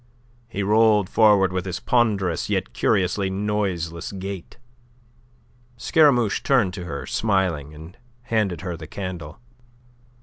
He rolled forward with his ponderous yet curiously noiseless gait. Scaramouche turned to her, smiling, and handed her the candle.